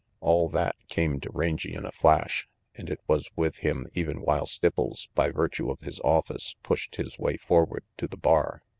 All that came to Rangy in a flash and it was with him even while Stipples, by virtue of his office, pushed his way forward to the bar.